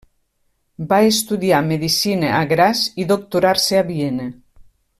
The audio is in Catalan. Va estudiar medicina a Graz i doctorar-se a Viena.